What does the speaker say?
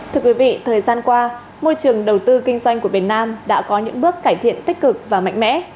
thưa quý vị thời gian qua môi trường đầu tư kinh doanh của việt nam đã có những bước cải thiện tích cực và mạnh mẽ